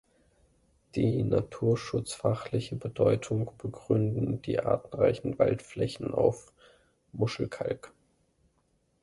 Die naturschutzfachliche Bedeutung begründen die artenreichen Waldflächen auf Muschelkalk.